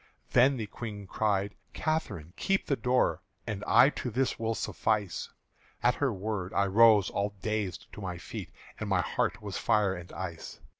Then the Queen cried, "Catherine, keep the door, And I to this will suffice!" At her word I rose all dazed to my feet, And my heart was fire and ice.